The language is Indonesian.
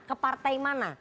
ke partai mana